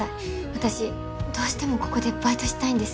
私どうしてもここでバイトしたいんです